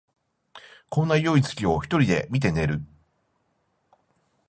こんなよい月を一人で見て寝る